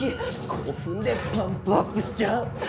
こうふんでパンプアップしちゃう。